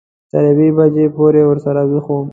تر یوې بجې پورې ورسره وېښ وم.